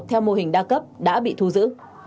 theo mô hình đa cấp đã bị thu giữ